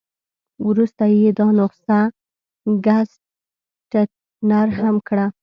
وروسته یې دا نسخه ګسټتنر هم کړه.